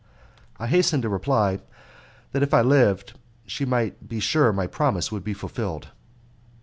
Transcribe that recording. I hastened to reply that if I lived she might be sure my promise would be fulfilled.